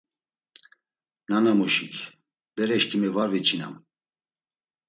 Nanamuşik: Bereşǩimi var viçinam.